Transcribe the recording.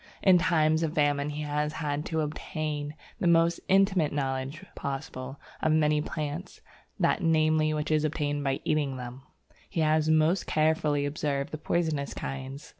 In times of famine he has had to obtain the most intimate knowledge possible of many plants, that namely which is obtained by eating them, and he has most carefully observed the poisonous kinds.